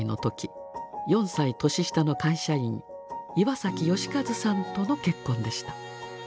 ４歳年下の会社員岩崎嘉一さんとの結婚でした。